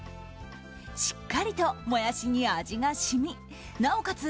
しっかりとモヤシに味が染みなおかつ